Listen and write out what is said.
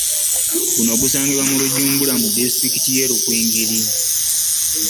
Guno gusangibwa mu Rujumbura mu disitulikiti y'e Rukungiri